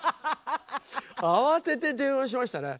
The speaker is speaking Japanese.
慌てて電話しましたね